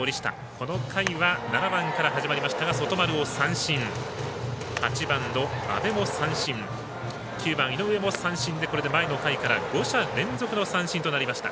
この回は７番から始まりましたが外丸を三振、８番の阿部も三振９番、井上も三振で前の回から５者連続の三振となりました。